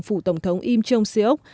phủ tổng thống im chung siêu